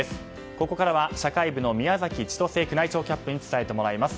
ここからは社会部の宮崎千歳宮内庁キャップに伝えてもらいます。